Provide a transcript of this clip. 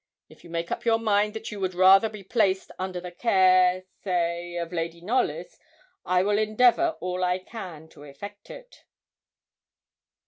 If you make up your mind that you would rather be placed under the care, say of Lady Knollys, I will endeavour all I can to effect it.'